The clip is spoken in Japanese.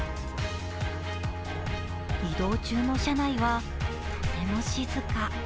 移動中の車内はとても静か。